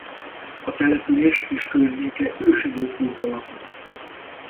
A település és környéke ősidők óta lakott.